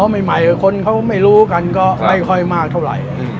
ใหม่คนเขาไม่รู้กันก็ไม่ค่อยมากเท่าไหร่